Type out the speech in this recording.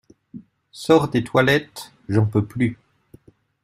Sors des toilettes, j'en peux plus!